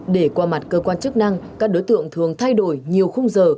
để qua mặt cơ quan chức năng các đối tượng thường thay đổi nhiều khung giờ